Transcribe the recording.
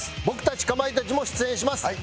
僕たちかまいたちも出演します。